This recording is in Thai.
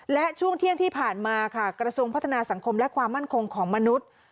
และช่วงเที่ยงที่ผ่านมาค่ะกระทรวงพัฒนาสังคมและความมั่นคงของมนุษย์